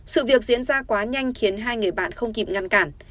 sự việc diễn ra quá nhanh khiến hai người bạn không kịp ngăn cản